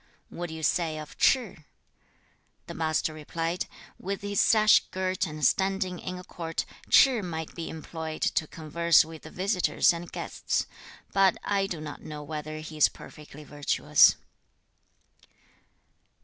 4. 'What do you say of Ch'ih?' The Master replied, 'With his sash girt and standing in a court, Ch'ih might be employed to converse with the visitors and guests, but I do not know whether he is perfectly virtuous.'